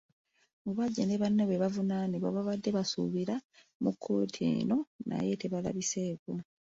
Mubajje ne banne bwe bavunaanibwa baabadde basuubira mu kkooti eno naye tebaalabiseeko.